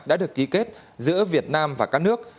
đã được ký kết giữa việt nam và các nước